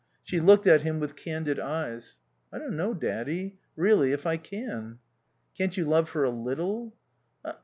She looked at him with candid eyes. "I don't know, Daddy, really, if I can." "Can't you love her a little?"